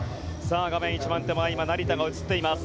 画面一番手前成田が映っています。